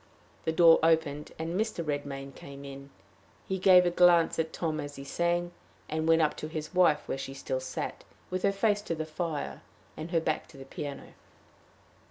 The door opened, and Mr. Redmain came in. He gave a glance at Tom as he sang, and went up to his wife where she still sat, with her face to the fire, and her back to the piano.